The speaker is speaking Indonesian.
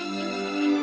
zack aku sudah terserah